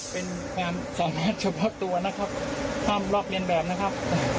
เป็นความสามารถเฉพาะตัวนะครับห้ามลอกเรียนแบบนะครับ